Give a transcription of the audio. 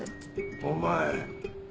お前。